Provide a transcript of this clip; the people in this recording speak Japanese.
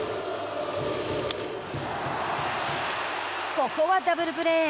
ここはダブルプレー。